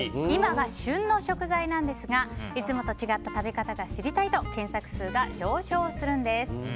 今が旬の食材ですがいつもと違った食べ方が知りたいと検索数が上昇するんです。